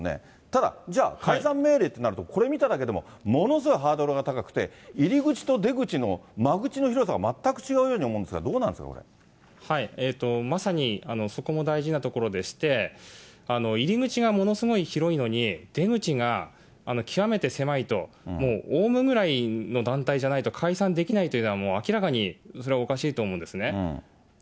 ただ、じゃあ、解散命令ってなると、これ見ただけでも、ものすごいハードルが高くて、入り口と出口の間口の広さが全く違うように思うんですが、どうなまさにそこも大事なところでして、入り口がものすごい広いのに、出口が極めて狭いと、もうオウムぐらいの団体じゃないと解散できないというのは、明らかにそれはおかしいと思うんですね。